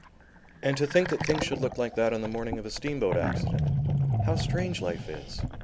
And to think that things should look like that on the morning of a steamboat accident. How strange life is!